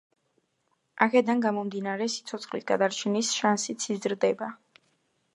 აქედან გამომდინარე, სიცოცხლის გადარჩენის შანსიც იზრდება.